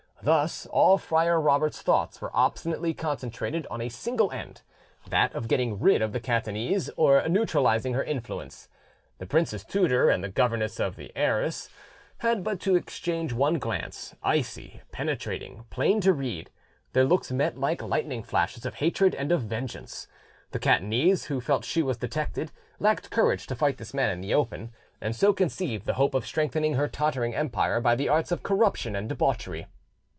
Thus all Friar Robert's thoughts were obstinately concentrated on a single end, that of getting rid of the Catanese or neutralising her influence. The prince's tutor and the governess of the heiress had but to exchange one glance, icy, penetrating, plain to read: their looks met like lightning flashes of hatred and of vengeance. The Catanese, who felt she was detected, lacked courage to fight this man in the open, and so conceived the hope of strengthening her tottering empire by the arts of corruption and debauchery.